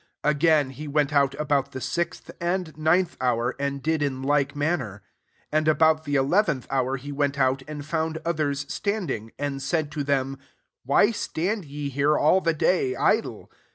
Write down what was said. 5 Again, he went out about the sixth and ninth hour, and did in like man ner. 6 And about the eleventh [Ao«r] he went out, and found others standing, and said to them, * Why stand ye here, all the day, idle?